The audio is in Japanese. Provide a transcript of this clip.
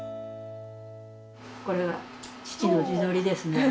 これは父の自撮りですね。